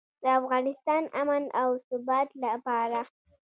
د افغانستان امن او ثبات لپاره.